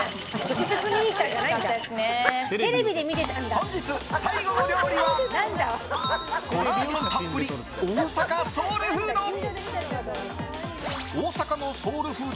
本日最後の料理はコラーゲンたっぷり大阪ソウルフード。